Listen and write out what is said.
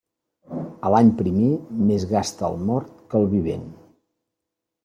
A l'any primer, més gasta el mort que el vivent.